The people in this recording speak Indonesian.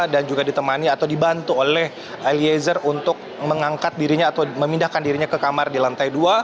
dan juga ditemani atau dibantu oleh eliezer untuk mengangkat dirinya atau memindahkan dirinya ke kamar di lantai dua